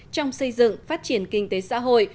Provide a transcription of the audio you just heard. trong xây dựng phát triển kinh tế xã hội